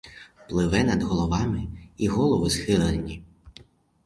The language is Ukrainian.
Пливе над головами, і голови схилені.